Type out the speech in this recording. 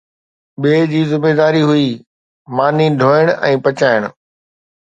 ٻئي جي ذميداري هئي ماني ڌوئڻ ۽ پچائڻ